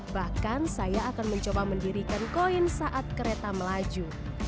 bahkan saya akan mencoba mendirikan koin saat kereta melaju